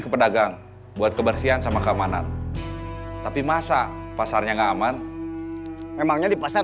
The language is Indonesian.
ke pedagang buat kebersihan sama keamanan tapi masa pasarnya nggak aman memangnya di pasar